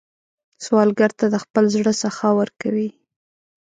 سوالګر ته د خپل زړه سخا ورکوئ